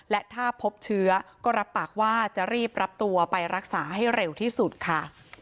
และถ้าพบเชื้อก็รับปากว่าจะรีบรับตัวไปรักษาให้เร็วที่สุดค่ะ